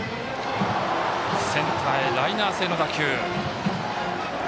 センターへライナー性の打球。